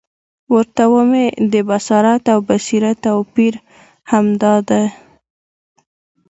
ورته ومي د بصارت او بصیرت توپیر همد دادی،